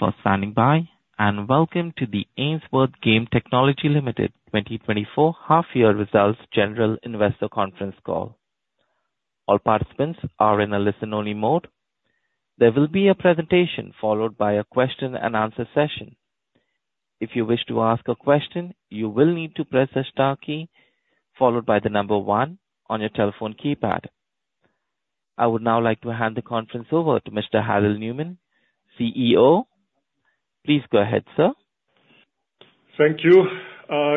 Thank you for standing by, and welcome to the Ainsworth Game Technology Limited 2024 half year results general investor conference call. All participants are in a listen-only mode. There will be a presentation followed by a question-and-answer session. If you wish to ask a question, you will need to press the star key, followed by the number one on your telephone keypad. I would now like to hand the conference over to Mr. Harald Neumann, CEO. Please go ahead, sir. Thank you.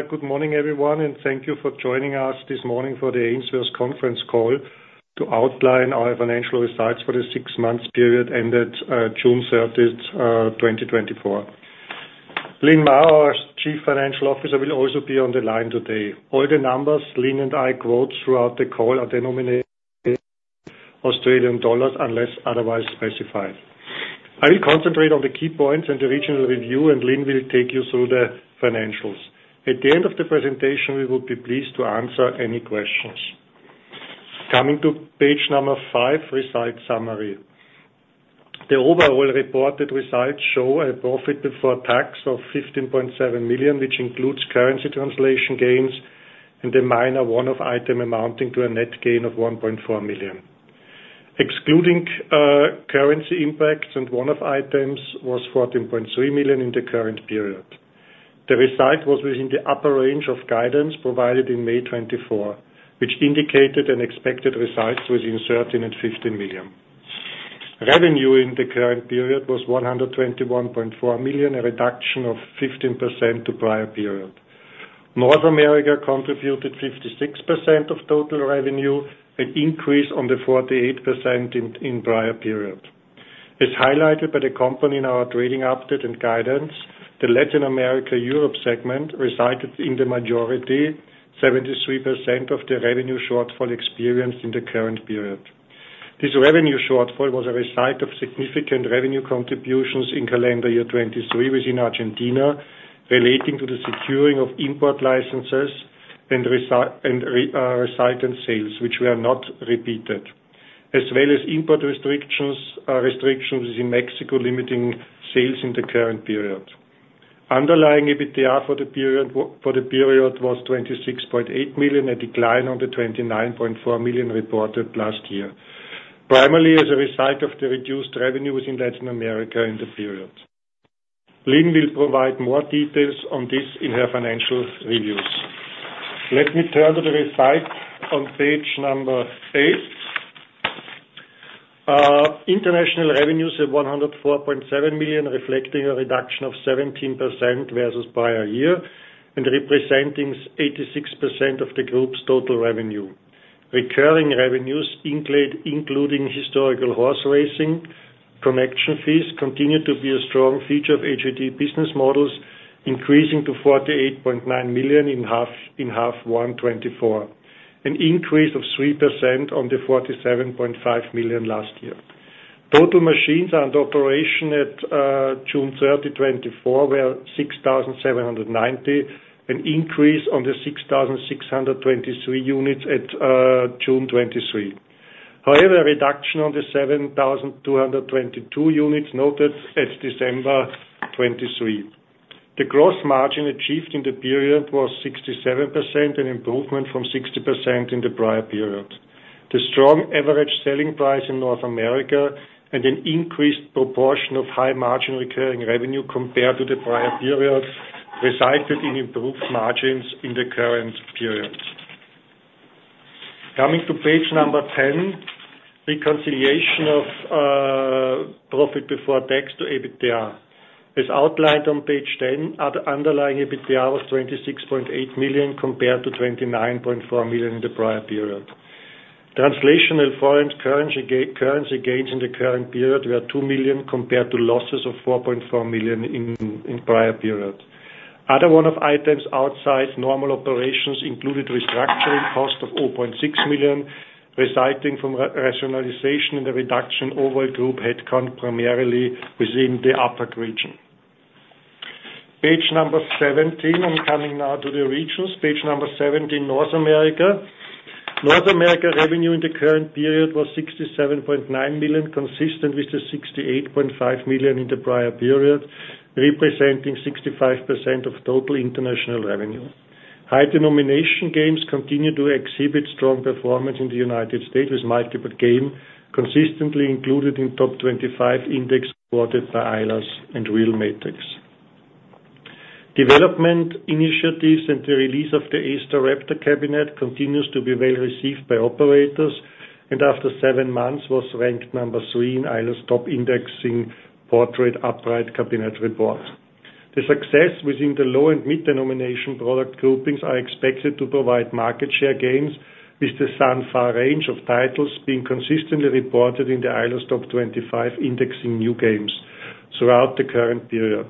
Good morning, everyone, and thank you for joining us this morning for the Ainsworth conference call to outline our financial results for the six months period ended, 30 June 2024. Lynn Mah, our Chief Financial Officer, will also be on the line today. All the numbers Lynn and I quote throughout the call are denominated Australian dollars, unless otherwise specified. I will concentrate on the key points and the regional review, and Lynn will take you through the financials. At the end of the presentation, we will be pleased to answer any questions. Coming to page number five, results summary. The overall reported results show a profit before tax of 15.7 million, which includes currency translation gains and a minor one-off item amounting to a net gain of 1.4 million. Excluding currency impacts and one-off items was 14.3 million in the current period. The result was within the upper range of guidance provided in May 2024, which indicated an expected results within 13-15 million. Revenue in the current period was 121.4 million, a reduction of 15% to prior period. North America contributed 56% of total revenue, an increase on the 48% in prior period. As highlighted by the company in our trading update and guidance, the Latin America/Europe segment resided in the majority, 73% of the revenue shortfall experienced in the current period. This revenue shortfall was a result of significant revenue contributions in calendar year 2023 within Argentina, relating to the securing of import licenses and resultant sales, which were not repeated, as well as import restrictions in Mexico, limiting sales in the current period. Underlying EBITDA for the period was 26.8 million, a decline on the 29.4 million reported last year, primarily as a result of the reduced revenue within Latin America in the period. Lynn will provide more details on this in her financial reviews. Let me turn to the results on page 8. International revenues of 104.7 million, reflecting a reduction of 17% versus prior year and representing 86% of the group's total revenue. Recurring revenues including historical horse racing, connection fees, continue to be a strong feature of AGT business models, increasing to 48.9 million in H1 2024, an increase of 3% on the 47.5 million last year. Total machines under operation at June 30, 2024, were 6,789, an increase on the 6,623 units at June 2023. However, a reduction on the 7,222 units noted at December 2023. The gross margin achieved in the period was 67%, an improvement from 60% in the prior period. The strong average selling price in North America and an increased proportion of high-margin recurring revenue compared to the prior period resulted in improved margins in the current period. Coming to page number 10, reconciliation of profit before tax to EBITDA. As outlined on page ten, underlying EBITDA was 26.8 million, compared to 29.4 million in the prior period. Translational foreign currency gains in the current period were 2 million, compared to losses of 4.4 million in prior period. Other one-off items outside normal operations included restructuring cost of 0.6 million, resulting from rationalization and the reduction overall group headcount, primarily within the APAC region. Page number 17, I'm coming now to the regionals. Page number 17, North America. North America revenue in the current period was 67.9 million, consistent with the 68.5 million in the prior period, representing 65% of total international revenue. High-denomination games continue to exhibit strong performance in the United States, with multiple games consistently included in Top 25 index, supported by Eilers and ReelMetrics. Development initiatives and the release of the A-Star Raptor cabinet continue to be well received by operators, and after seven months, was ranked number three in Eilers Top Indexing Portrait upright cabinet report. The success within the low- and mid-denomination product groupings is expected to provide market share gains, with the San Fa range of titles being consistently reported in the Eilers Top 25, indexing new games throughout the current period.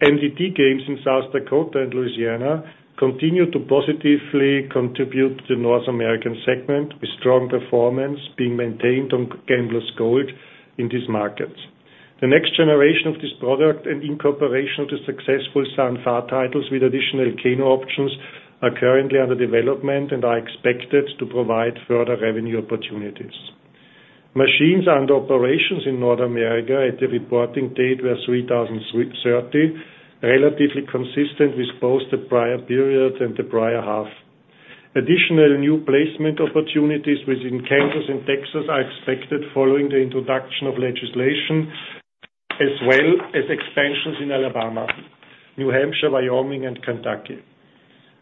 MTD games in South Dakota and Louisiana continue to positively contribute to the North American segment, with strong performance being maintained on Gambler's Gold in these markets. The next generation of this product and in cooperation with the successful San Fa titles with additional Keno options. are currently under development and are expected to provide further revenue opportunities. Machines under operations in North America at the reporting date were 3,330, relatively consistent with both the prior period and the prior half. Additional new placement opportunities within Kansas and Texas are expected following the introduction of legislation, as well as expansions in Alabama, New Hampshire, Wyoming, and Kentucky.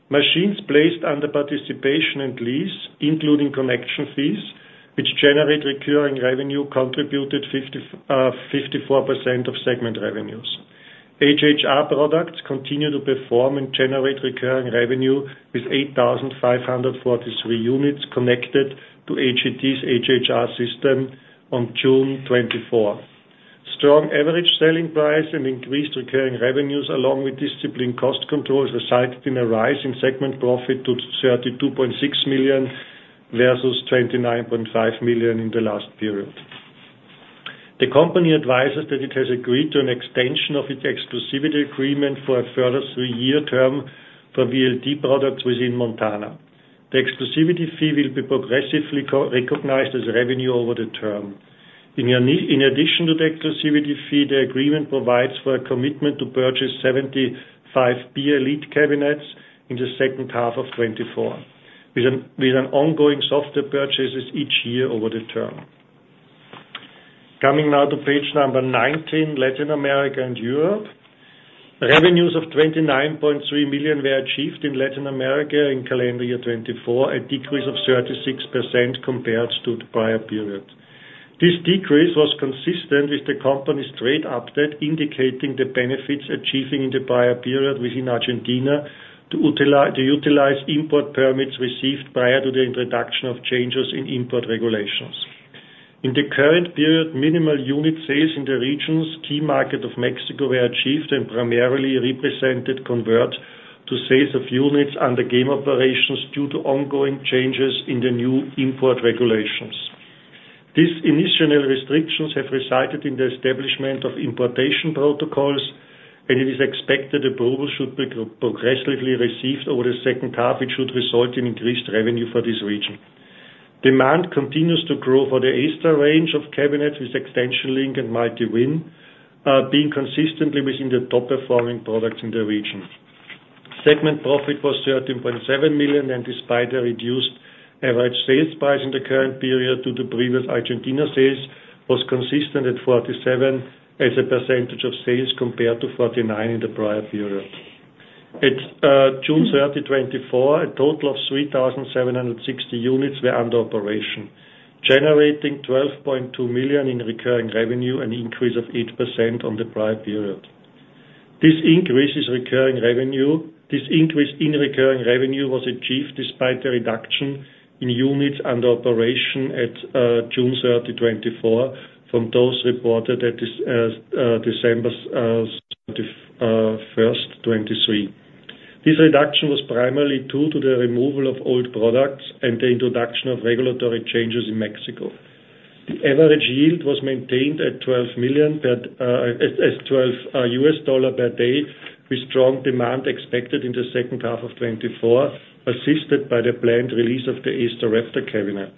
Machines placed under participation and lease, including connection fees, which generate recurring revenue, contributed 54% of segment revenues. HHR products continue to perform and generate recurring revenue, with 8,543 units connected to AGT's HHR system on 24 June. Strong average selling price and increased recurring revenues, along with disciplined cost controls, resulted in a rise in segment profit to 32.6 million versus 29.5 million in the last period. The company advises that it has agreed to an extension of its exclusivity agreement for a further three-year term for VLT products within Montana. The exclusivity fee will be progressively co-recognized as revenue over the term. In addition to the exclusivity fee, the agreement provides for a commitment to purchase seventy-five VLT cabinets in the H2 of 2024, with ongoing software purchases each year over the term. Coming now to page 19, Latin America and Europe. Revenues of 29.3 million were achieved in Latin America in calendar year 2024, a decrease of 36% compared to the prior period. This decrease was consistent with the company's trade update, indicating the benefits achieving in the prior period within Argentina to utilize import permits received prior to the introduction of changes in import regulations. In the current period, minimal unit sales in the region's key market of Mexico were achieved and primarily represented conversions to sales of units under game operations due to ongoing changes in the new import regulations. These initial restrictions have resulted in the establishment of importation protocols, and it is expected approval should be progressively received over the H2, which should result in increased revenue for this region. Demand continues to grow for the A-STAR range of cabinets, with Xtension Link and Mighty Win being consistently within the top performing products in the region. Segment profit was 13.7 million, and despite a reduced average sales price in the current period due to previous Argentina sales, was consistent at 47% of sales, compared to 49% in the prior period. At June 30, 2024, a total of 3,760 units were under operation, generating 12.2 million in recurring revenue, an increase of 8% on the prior period. This increase in recurring revenue was achieved despite a reduction in units under operation at June 30, 2024, from those reported at December 31, 2023. This reduction was primarily due to the removal of old products and the introduction of regulatory changes in Mexico. The average yield was maintained at $12 per day, with strong demand expected in the H2 of 2024, assisted by the planned release of the A-Star Raptor cabinet.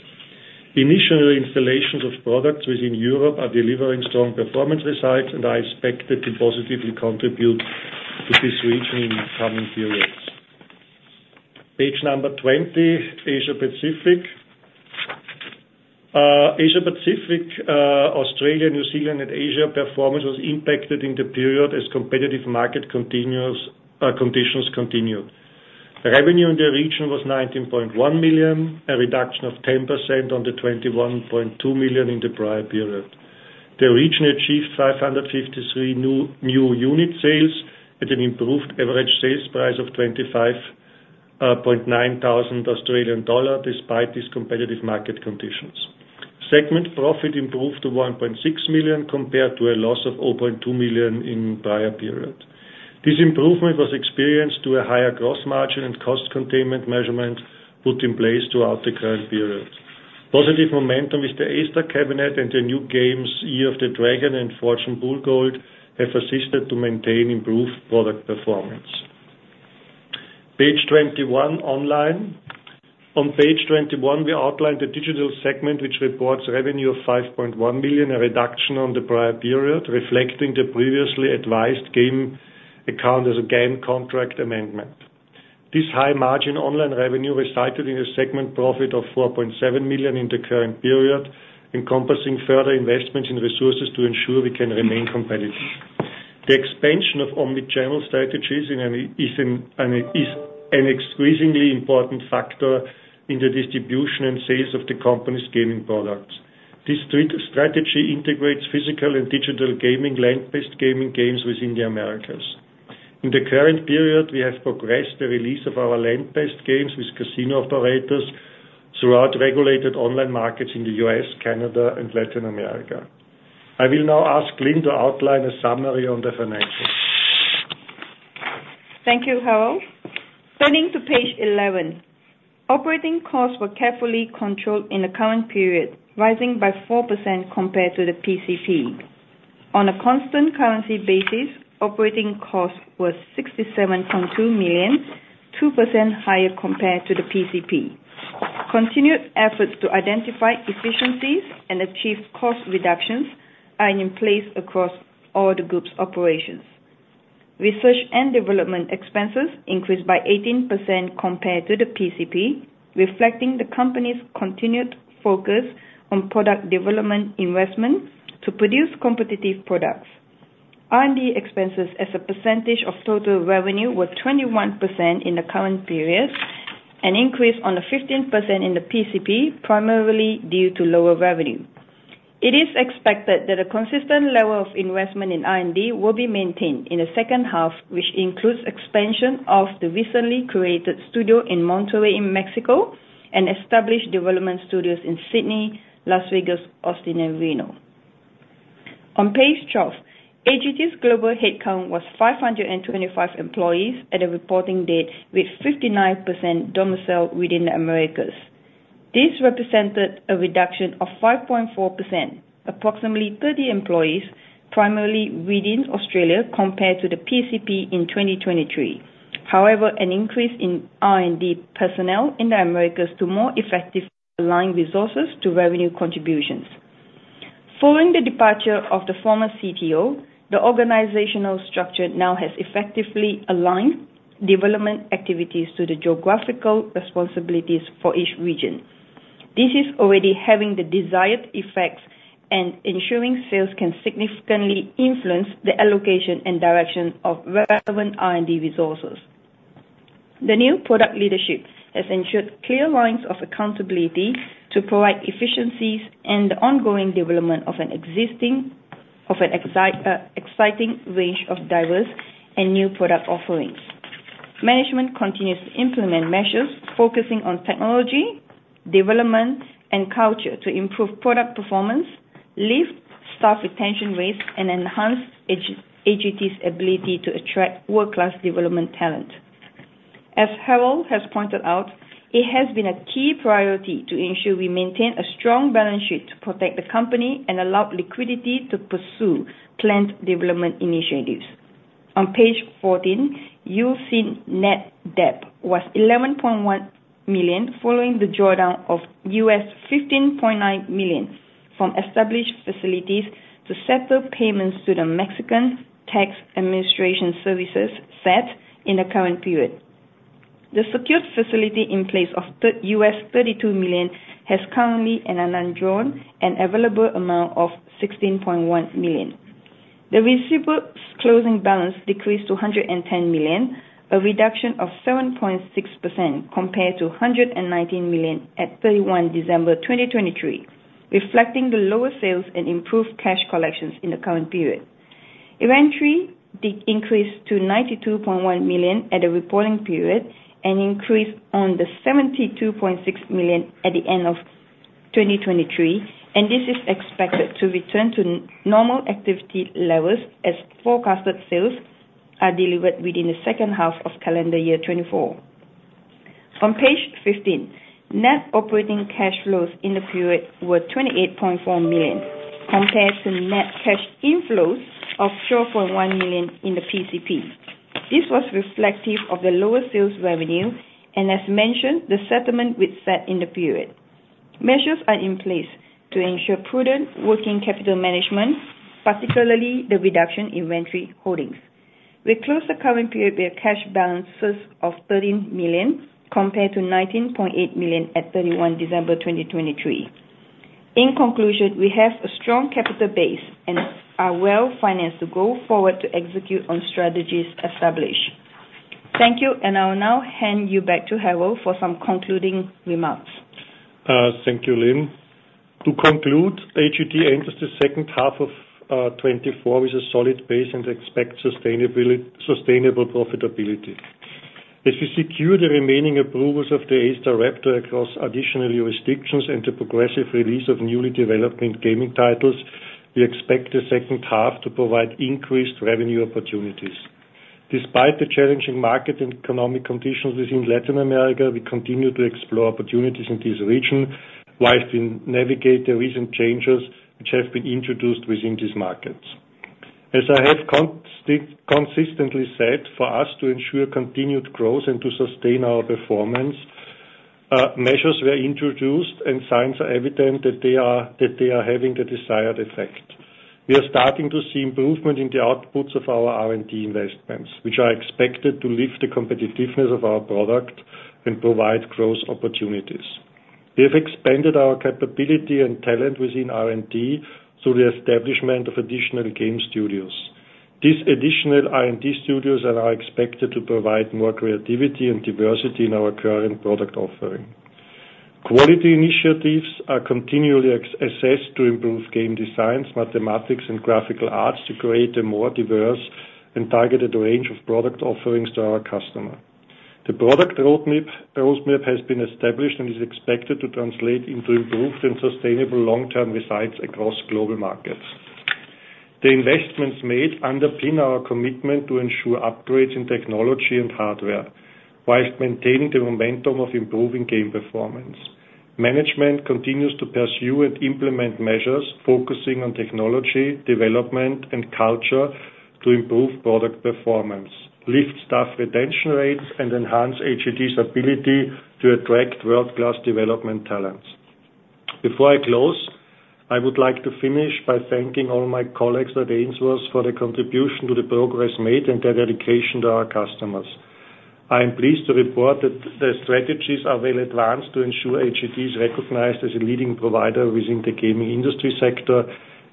Initial installations of products within Europe are delivering strong performance results and are expected to positively contribute to this region in the coming periods. Page number 20, Asia Pacific. Asia Pacific, Australia, New Zealand, and Asia performance was impacted in the period as competitive market conditions continued. Revenue in the region was 19.1 million, a reduction of 10% on the 21.2 million in the prior period. The region achieved 553 new unit sales at an improved average sales price of 25.9 thousand Australian dollar, despite these competitive market conditions. Segment profit improved to 1.6 million, compared to a loss of 0.2 million in prior period. This improvement was experienced to a higher gross margin and cost containment measures put in place throughout the current period. Positive momentum with the A-STAR cabinet and the new games, Year of the Dragon and Fortune Bull Gold, have assisted to maintain improved product performance. Page 21, online. On page 21, we outline the digital segment, which reports revenue of 5.1 million, a reduction on the prior period, reflecting the previously advised GameAccount as a game contract amendment. This high-margin online revenue resulted in a segment profit of 4.7 million in the current period, encompassing further investments in resources to ensure we can remain competitive. The expansion of omni-channel strategies is an increasingly important factor in the distribution and sales of the company's gaming products. This strategy integrates physical and digital gaming, land-based gaming within the Americas. In the current period, we have progressed the release of our land-based games with casino operators throughout regulated online markets in the U.S., Canada, and Latin America. I will now ask Lynn to outline a summary on the financials. Thank you, Harald. Turning to page eleven. Operating costs were carefully controlled in the current period, rising by 4% compared to the PCP. On a constant currency basis, operating costs were 67.2 million, 2% higher compared to the PCP. Continued efforts to identify efficiencies and achieve cost reductions are in place across all the group's operations. Research and development expenses increased by 18% compared to the PCP, reflecting the company's continued focus on product development investment to produce competitive products. R&D expenses as a percentage of total revenue were 21% in the current period, an increase on the 15% in the PCP, primarily due to lower revenue. It is expected that a consistent level of investment in R&D will be maintained in the H2, which includes expansion of the recently created studio in Monterrey, Mexico, and established development studios in Sydney, Las Vegas, Austin, and Reno. On page 12, AGT's global headcount was 525 employees at a reporting date, with 59% domiciled within the Americas. This represented a reduction of 5.4%, approximately 30 employees, primarily within Australia, compared to the PCP in 2023. However, an increase in R&D personnel in the Americas to more effectively align resources to revenue contributions. Following the departure of the former CTO, the organizational structure now has effectively aligned development activities to the geographical responsibilities for each region. This is already having the desired effects and ensuring sales can significantly influence the allocation and direction of relevant R&D resources. The new product leadership has ensured clear lines of accountability to provide efficiencies and ongoing development of an exciting range of diverse and new product offerings. Management continues to implement measures focusing on technology, development, and culture to improve product performance, lift staff retention rates, and enhance AGT's ability to attract world-class development talent. As Harald has pointed out, it has been a key priority to ensure we maintain a strong balance sheet to protect the company and allow liquidity to pursue planned development initiatives. On page 14, you'll see net debt was 11.1 million, following the drawdown of $15.9 million from established facilities to settle payments to the Mexican Tax Administration Services, SAT, in the current period. The secured facility in place of $32 million has currently an undrawn and available amount of 16.1 million. The receivables closing balance decreased to 110 million, a reduction of 7.6% compared to 119 million at 31 December 2023, reflecting the lower sales and improved cash collections in the current period. Inventory did increase to 92.1 million at the reporting period, an increase on the 72.6 million at the end of 2023, and this is expected to return to normal activity levels as forecasted sales are delivered within the H2 of calendar year 2024. On page 15, net operating cash flows in the period were 28.4 million, compared to net cash inflows of 12.1 million in the PCP. This was reflective of the lower sales revenue, and as mentioned, the settlement with SAT in the period. Measures are in place to ensure prudent working capital management, particularly the reduction inventory holdings. We closed the current period with cash balances of 13 million, compared to 19.8 million at 31 December 2023. In conclusion, we have a strong capital base and are well-financed to go forward to execute on strategies established. Thank you, and I'll now hand you back to Harald for some concluding remarks. Thank you, Lynn. To conclude, AGT enters the H2 of 2024 with a solid base and expects sustainable profitability. As we secure the remaining approvals of the A-STAR Raptor across additional jurisdictions and the progressive release of newly developed gaming titles, we expect the H2 to provide increased revenue opportunities. Despite the challenging market and economic conditions within Latin America, we continue to explore opportunities in this region, while we navigate the recent changes which have been introduced within these markets. As I have consistently said, for us to ensure continued growth and to sustain our performance, measures were introduced, and signs are evident that they are having the desired effect. We are starting to see improvement in the outputs of our R&D investments, which are expected to lift the competitiveness of our product and provide growth opportunities. We have expanded our capability and talent within R&D through the establishment of additional game studios. These additional R&D studios are expected to provide more creativity and diversity in our current product offering. Quality initiatives are continually assessed to improve game designs, mathematics, and graphical arts, to create a more diverse and targeted range of product offerings to our customer. The product roadmap has been established and is expected to translate into improved and sustainable long-term results across global markets. The investments made underpin our commitment to ensure upgrades in technology and hardware, while maintaining the momentum of improving game performance. Management continues to pursue and implement measures focusing on technology, development, and culture to improve product performance, lift staff retention rates, and enhance AGT's ability to attract world-class development talents. Before I close, I would like to finish by thanking all my colleagues at Ainsworth for their contribution to the progress made and their dedication to our customers. I am pleased to report that the strategies are well advanced to ensure AGT is recognized as a leading provider within the gaming industry sector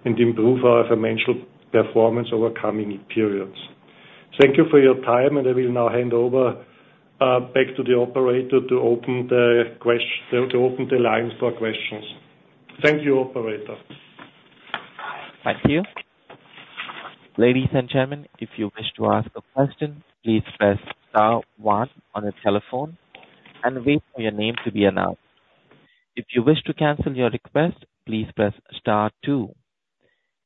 and improve our financial performance over coming periods. Thank you for your time, and I will now hand over back to the operator to open the lines for questions. Thank you, operator. Thank you. Ladies and gentlemen, if you wish to ask a question, please press star one on your telephone and wait for your name to be announced. If you wish to cancel your request, please press star two.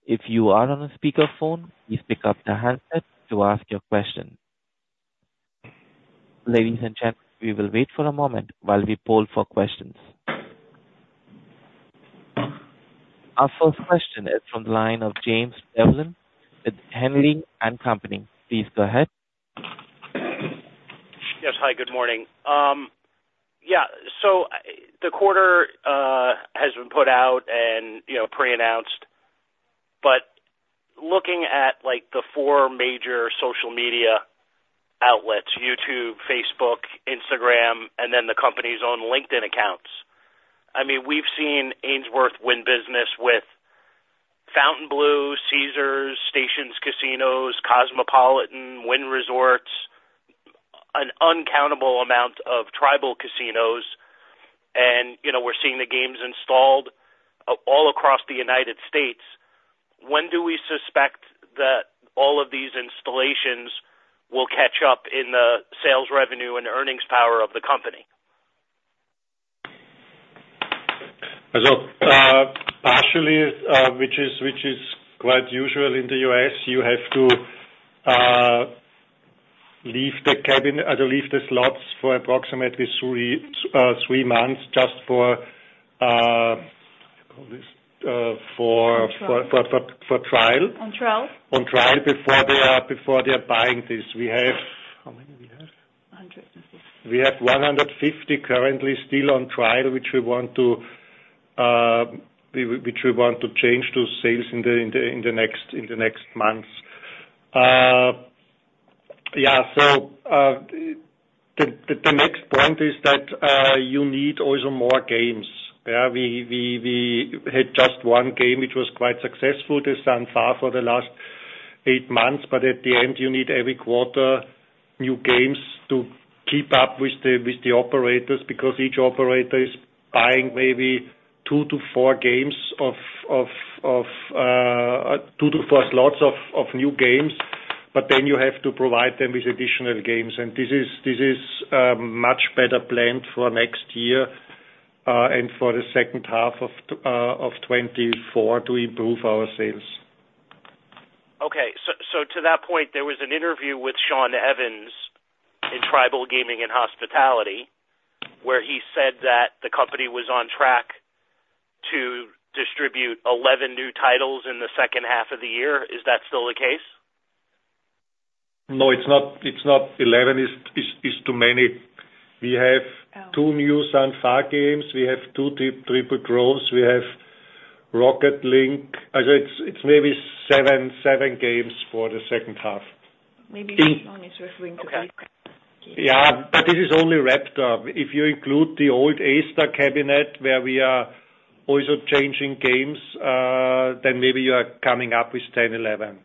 If you are on a speakerphone, please pick up the handset to ask your question. Ladies and gentlemen, we will wait for a moment while we poll for questions. Our first question is from the line of James Devlin, with Henley & Company. Please go ahead. Yes. Hi, good morning. Yeah, so the quarter has been put out and, you know, pre-announced, but looking at, like, the four major social media outlets, YouTube, Facebook, Instagram, and then the company's own LinkedIn accounts, I mean, we've seen Ainsworth win business with Fontainebleau, Caesars, Station Casinos, Cosmopolitan, Wynn Resorts, an uncountable amount of tribal casinos, and, you know, we're seeing the games installed all across the United States. When do we suspect that all of these installations will catch up in the sales revenue and earnings power of the company? Partially, which is quite usual in the U.S., you have to leave the cabinet, leave the slots for approximately three months, just for what do you call this, for trial. On trial. On trial before they are, before they are buying this. We have, how many we have? Hundred and fifty. We have 150 currently still on trial, which we want to change to sales in the next months. Yeah, so, the next point is that you need also more games, where we had just one game, which was quite successful, the San Fuego, for the last eight months, but at the end, you need every quarter new games to keep up with the operators, because each operator is buying maybe two to four games of two to four slots of new games, but then you have to provide them with additional games, and this is much better planned for next year, and for the H2 of 2024 to improve our sales. Okay. So, to that point, there was an interview with Sean Evans in Tribal Gaming and Hospitality, where he said that the company was on track to distribute 11 new titles in the H2 of the year. Is that still the case? No, it's not, it's not 11, it's too many. We have two new San Fa games, we have two Triple Troves, we have Rocket Link. I'd say it's maybe seven games for the H2. Maybe Sean is referring to these games. Yeah, but this is only Raptor. If you include the old A-STAR cabinet, where we are also changing games, then maybe you are coming up with 10, 11.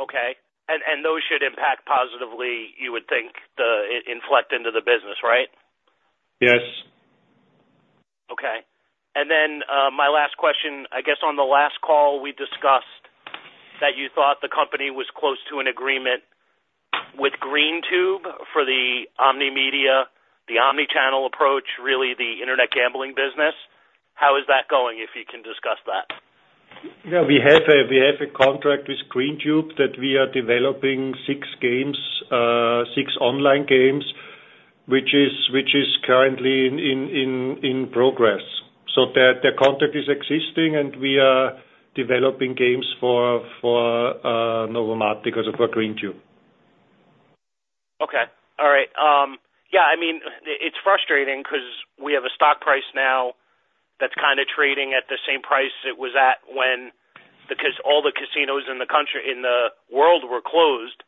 Okay, and those should impact positively, you would think, the inflection into the business, right? Yes. Okay. Then, my last question, I guess on the last call, we discussed that you thought the company was close to an agreement with Greentube for the Omni media, the omni-channel approach, really, the internet gambling business. How is that going, if you can discuss that? Yeah, we have a contract with Greentube that we are developing six games, six online games, which is currently in progress. So the contract is existing, and we are developing games for Novomatic because of for Greentube. Okay. All right. Yeah, I mean, it's frustrating because we have a stock price now that's kind of trading at the same price it was at when, because all the casinos in the world were closed,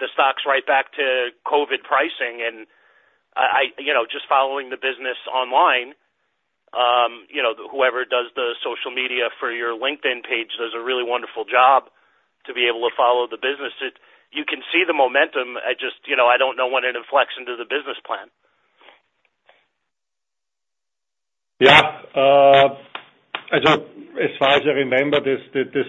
the stock's right back to COVID pricing, and I, you know, just following the business online, you know, whoever does the social media for your LinkedIn page does a really wonderful job to be able to follow the business. It. You can see the momentum. I just, you know, I don't know when it inflects into the business plan. Yeah. As far as I remember, the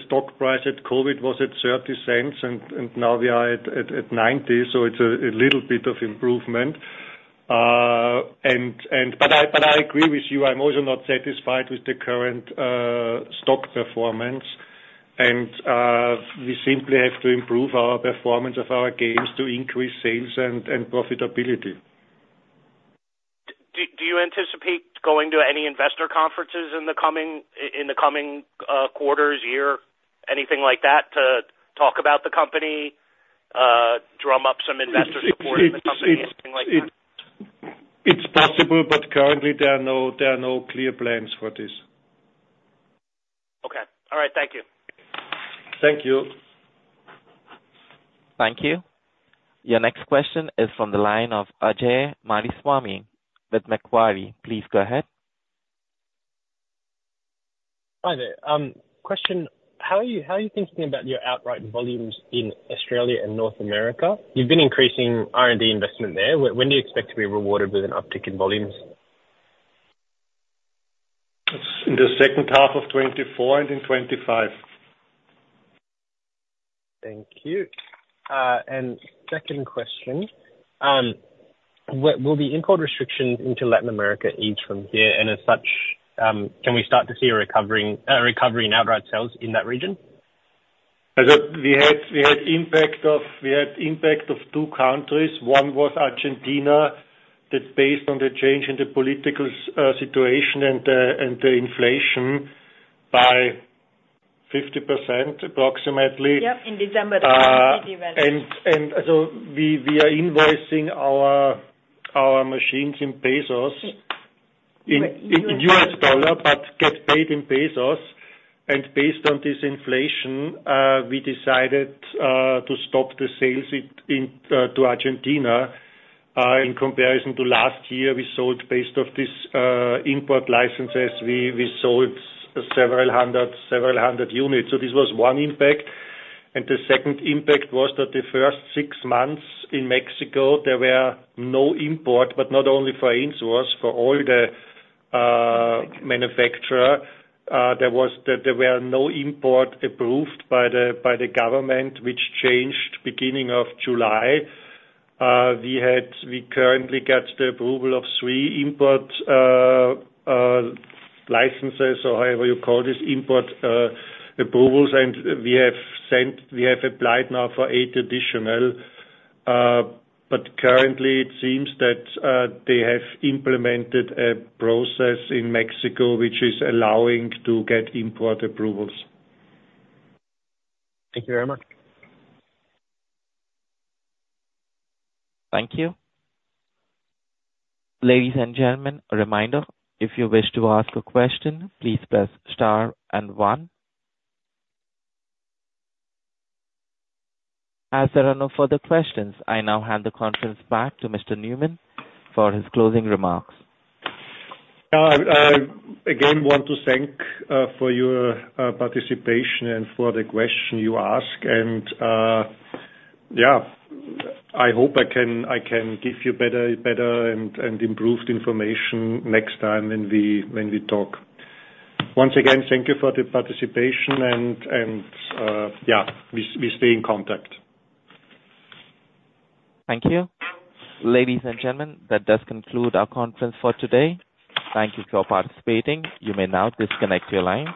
stock price at COVID was at 0.30, and now we are at 0.90, so it's a little bit of improvement. But I agree with you. I'm also not satisfied with the current stock performance. We simply have to improve our performance of our games to increase sales and profitability. Do you anticipate going to any investor conferences in the coming quarters, year, anything like that, to talk about the company, drum up some investor support for the company, anything like that? It's possible, but currently there are no clear plans for this. Okay. All right, thank you. Thank you. Thank you. Your next question is from the line of Ajay Mariswamy with Macquarie. Please go ahead. Hi there. Question: How are you thinking about your outright volumes in Australia and North America? You've been increasing R&D investment there. When do you expect to be rewarded with an uptick in volumes? In the H2 of 2024 and in 2025. Thank you. And second question, will the import restrictions into Latin America ease from here, and as such, can we start to see a recovery in outright sales in that region? As we had impact of two countries. One was Argentina, that based on the change in the political situation and the inflation by 50%, approximately. Yep, in December, the We are invoicing our machines in pesos, in US dollar, but get paid in pesos. Based on this inflation, we decided to stop the sales to Argentina. In comparison to last year, we sold based on this import licenses several hundred units. This was one impact. The second impact was that the first six months in Mexico, there were no imports, but not only for Ainsworth, for all the manufacturers, there were no imports approved by the government, which changed beginning of July. We currently have the approval of three import licenses, or however you call this, import approvals, and we have applied now for eight additional. But currently it seems that they have implemented a process in Mexico which is allowing to get import approvals. Thank you very much. Thank you. Ladies and gentlemen, a reminder, if you wish to ask a question, please press star and one. As there are no further questions, I now hand the conference back to Mr. Neumann for his closing remarks. I again want to thank for your participation and for the question you ask. Yeah, I hope I can give you better and improved information next time when we talk. Once again, thank you for the participation and yeah, we stay in contact. Thank you. Ladies and gentlemen, that does conclude our conference for today. Thank you for participating. You may now disconnect your line.